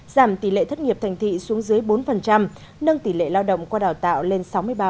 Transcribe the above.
giảm tỷ lệ thất nghiệp thành thị xuống dưới bốn nâng tỷ lệ lao động qua đào tạo lên sáu mươi ba